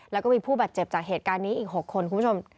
แล้วก็มีผู้บาดเจ็บจากเหตุการณ์นี้อีก๖คนคุณผู้ชม